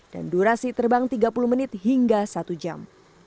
dan durasi terbang tiga puluh menit hingga satu jam